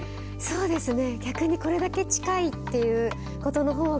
そうですね。